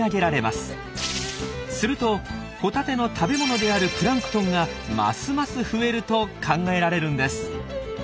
するとホタテの食べ物であるプランクトンがますます増えると考えられるんです。